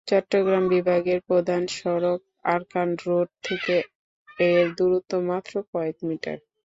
চট্টগ্রাম বিভাগের প্রধান সড়ক আরাকান রোড থেকে এর দূরত্ব মাত্র কয়েক মিটার।